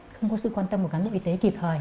không có sự quan tâm của các người y tế kịp thời